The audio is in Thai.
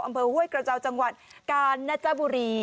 อำเภอห้วยกระเจ้าจังหวัดกาญจนบุรี